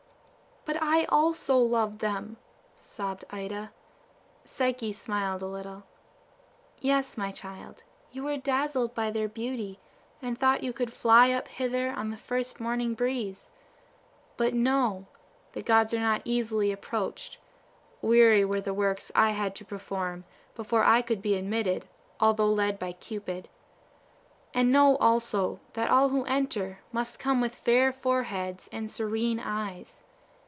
"But I also loved them," sobbed Ida. Psyche smiled a little. "Yes, my child, you were dazzled by their beauty, and thought you could fly up hither on the first morning breeze. But know the gods are not easily approached; weary were the works I had to perform before I could be admitted, although led by Cupid. And know also, that all who enter must come with fair foreheads and serene eyes.